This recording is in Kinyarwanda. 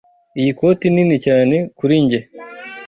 Iyi koti nini cyane kuri njye.